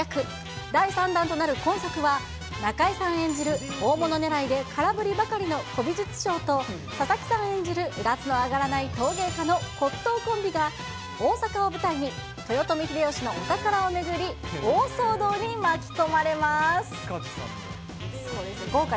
第３弾となる今作は、中井さん演じる、大物ねらいで空振りばかりの古美術商と、佐々木さん演じる、うだつの上がらない陶芸家の骨董コンビが、大阪を舞台に豊臣秀吉のお宝を巡り、大騒動に巻き込まれます。